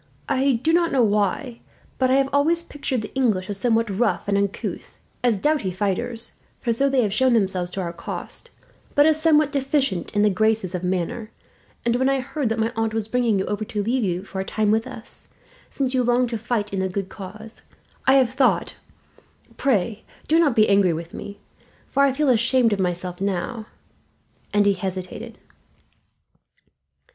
I do not know why, but I have always pictured the English as somewhat rough and uncouth as doughty fighters, for so they have shown themselves to our cost, but as somewhat deficient in the graces of manner and when I heard that my aunt was bringing you over, to leave you for a time with us, since you longed to fight in the good cause, I have thought pray, do not be angry with me, for I feel ashamed of myself now " and he hesitated.